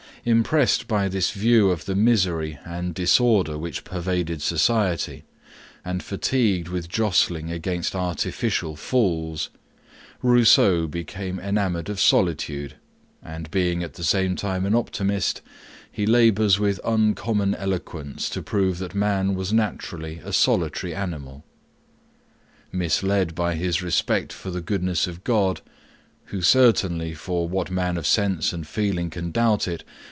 Impressed by this view of the misery and disorder which pervaded society, and fatigued with jostling against artificial fools, Rousseau became enamoured of solitude, and, being at the same time an optimist, he labours with uncommon eloquence to prove that man was naturally a solitary animal. Misled by his respect for the goodness of God, who certainly for what man of sense and feeling can doubt it!